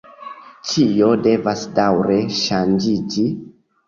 Ĉio devas daŭre ŝanĝiĝi.